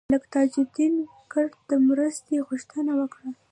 ملک تاج الدین کرد د مرستې غوښتنه وکړه.